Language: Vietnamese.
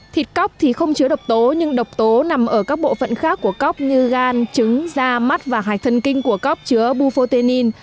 thịt cóc thì không chứa độc tố nhưng độc tố nằm ở các bộ phận khác của cóc như gan trứng da mắt và hạch thân kinh của cóp chứa buffotein